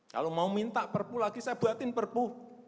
kalau mau minta perpu lagi saya buatin perpu